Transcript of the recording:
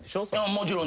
もちろん。